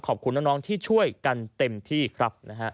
ขอบคุณน้องที่ช่วยกันเต็มที่ครับ